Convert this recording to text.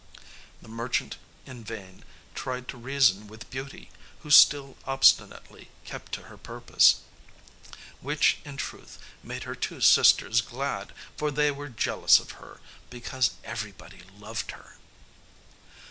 The merchant in vain tried to reason with Beauty, who still obstinately kept to her purpose; which, in truth, made her two sisters glad, for they were jealous of her, because everybody loved her.